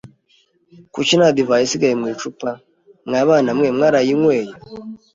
Kuki nta divayi isigaye mu icupa? Mwa bana mwarayinyweye?